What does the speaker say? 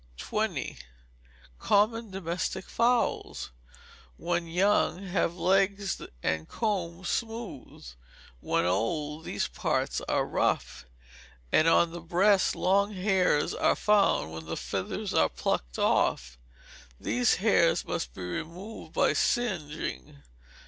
20. Common Domestic Fowls, when young, have the legs and combs smooth; when old these parts are rough, and on the breast long hairs are found when the feathers axe plucked off: these hairs must be removed by singeing.